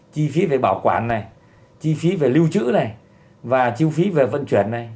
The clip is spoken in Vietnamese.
chi phí về bảo quản này chi phí về lưu trữ này và chi phí về vận chuyển này